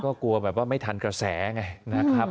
ก็กลัวแบบว่าไม่ทันกระแสไงนะครับ